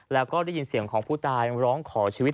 แล้วก็ได้ยินเสียงของผู้ตายร้องขอชีวิต